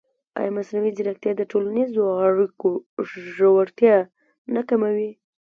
ایا مصنوعي ځیرکتیا د ټولنیزو اړیکو ژورتیا نه کموي؟